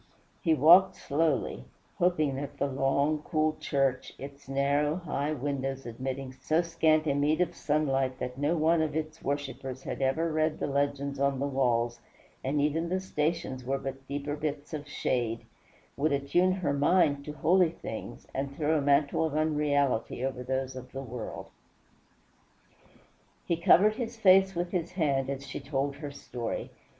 He walked slowly, hoping that the long, cool church, its narrow high windows admitting so scant a meed of sunlight that no one of its worshippers had ever read the legends on the walls, and even the stations were but deeper bits of shade, would attune her mind to holy things, and throw a mantle of unreality over those of the world. He covered his face with his hand as she told her story.